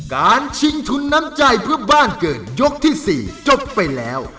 ชิงทุนน้ำใจเพื่อบ้านเกิดยกที่๔จบไปแล้ว